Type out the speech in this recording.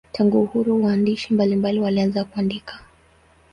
Tangu uhuru waandishi mbalimbali walianza kuandika.